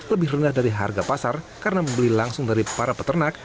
lebih rendah dari harga pasar karena membeli langsung dari para peternak